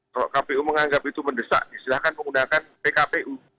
kalau kpu menganggap itu mendesak silahkan menggunakan pkpu